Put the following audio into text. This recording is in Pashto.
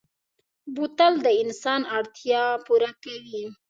بوتل د انسان اړتیا پوره کوي.